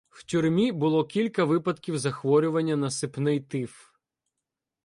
В тюрмі було кілька випадків захворювання на сипний тиф.